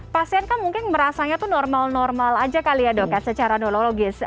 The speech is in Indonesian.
pasien kan mungkin merasanya tuh normal normal aja kali ya dok ya secara norologis